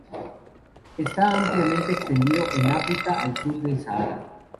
Está ampliamente extendido en África al sur del Sahara.